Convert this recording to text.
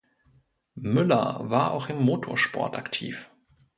Müller war auch im Motorsport aktiv.